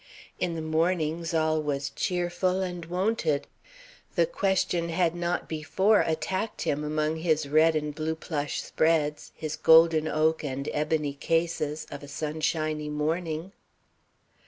In the mornings all was cheerful and wonted the question had not before attacked him among his red and blue plush spreads, his golden oak and ebony cases, of a sunshiny morning.